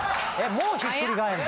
もうひっくり返んの？